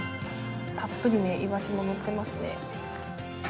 たっぷりイワシものってますね。